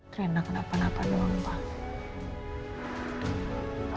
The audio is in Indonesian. keren kenapa napa doang pak